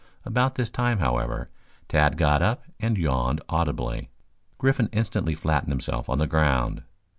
About this time, however, Tad got up and yawned audibly. Griffin instantly flattened himself on the ground.